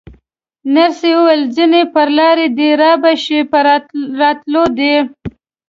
نرسې وویل: ځینې پر لاره دي، رابه شي، په راتلو دي.